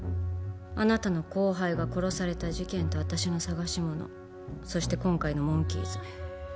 あなたの後輩が殺された事件と私の探しものそして今回のモンキーズ